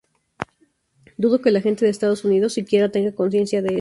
Dudo que la gente de Estados Unidos siquiera tenga conciencia de esto.